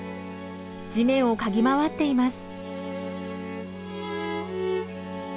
地面を嗅ぎ回っています。